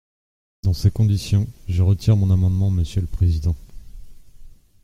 Dans ces conditions, je retire mon amendement, monsieur le président.